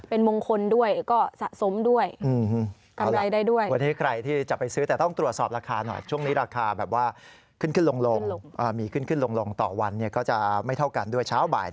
เป็นมงคลด้วยก็สะสมด้วย